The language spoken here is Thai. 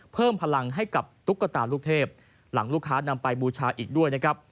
เพิ่มพลังให้กับตุ๊กตาลูกเทพหลังลูกค้านำไปบูชาอีกด้วยนะครับ